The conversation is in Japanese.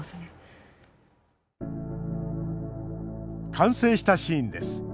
完成したシーンです。